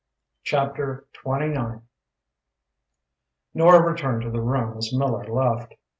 CHAPTER XV Nora returned to the room as Miller left.